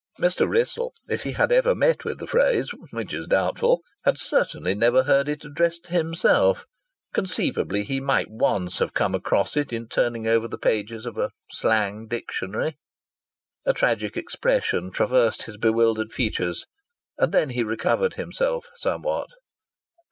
Mr. Wrissell, if he had ever met with the phrase which is doubtful had certainly never heard it addressed to himself; conceivably he might have once come across it in turning over the pages of a slang dictionary. A tragic expression traversed his bewildered features and then he recovered himself somewhat.